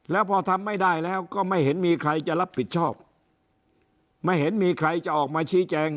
แล้วพอทำไม่ได้แล้วก็ไม่เห็นมีใครจะรับผิดชอบไม่เห็นมีใครจะออกมาชี้แจง